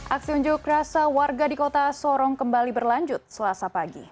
aksi unjuk rasa warga di kota sorong kembali berlanjut selasa pagi